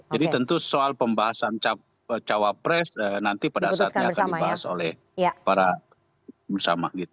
jadi tentu soal pembahasan cawapres nanti pada saatnya akan dibahas oleh para bersama gitu